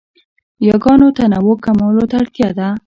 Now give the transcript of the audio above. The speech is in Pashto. یاګانو تنوع کمولو ته اړتیا ده.